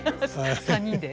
３人で。